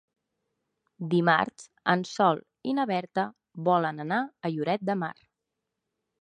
Dimarts en Sol i na Berta volen anar a Lloret de Mar.